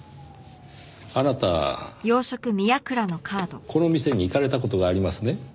あなたこの店に行かれた事がありますね？